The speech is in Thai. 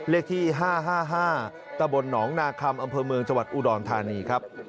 เลขที่๕๕ตะบลหนองนาคัมอำเภอเมืองจังหวัดอุดรธานีครับ